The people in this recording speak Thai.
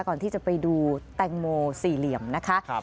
ก่อนที่จะไปดูแตงโมสี่เหลี่ยมนะคะ